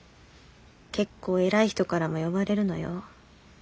結構偉い人からも呼ばれるのよ。